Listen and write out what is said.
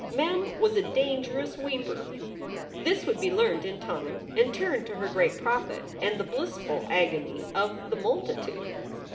Mem was a dangerous weeper. This would be learned in time and turned to her great profit and the blissful agony of the multitude.